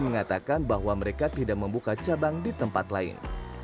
mengatakan bahwa mereka tidak membuka cabang di tempat lain